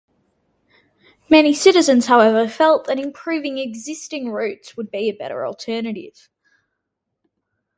Many citizens, however, felt that improving existing routes would be a better alternative.